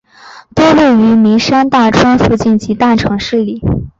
多位于名山大川附近以及大城市里。